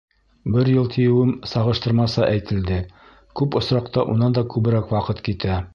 Бер йыл тиеүем сағыштырмаса әйтелде, күп осраҡта унан да күберәк ваҡыт китә.